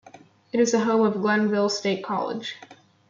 It is the home of Glenville State College.